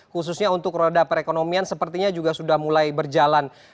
khususnya untuk roda perekonomian sepertinya juga sudah mulai berjalan